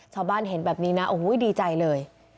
ชาวบ้านเห็นแบบนี้นะโอ้โหดีใจเลย